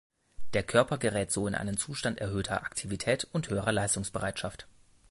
Der Körper gerät so in einen Zustand erhöhter Aktivität und höherer Leistungsbereitschaft.